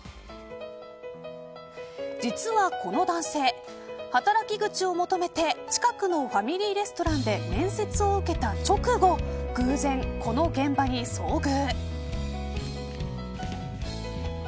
実は、この男性働き口を求めて近くのファミリーレストランで面接を受けた直後偶然、この現場に遭遇。